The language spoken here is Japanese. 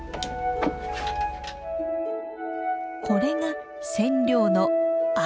これが染料の藍。